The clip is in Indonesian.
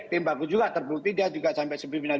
tim bagus juga terbukti dia juga sampai